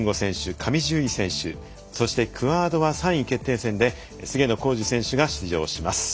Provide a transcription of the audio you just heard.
上地結衣選手そしてクアードは３位決定戦で菅野浩二選手が出場します。